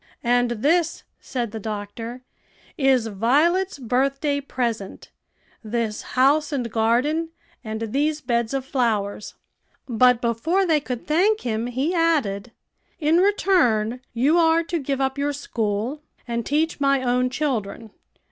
"And this," said the doctor, "is Violet's birthday present this house and garden, and these beds of flowers." But before they could thank him, he added, "In return, you are to give up your school, and teach my own children.